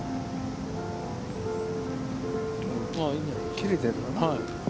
切れてるかな。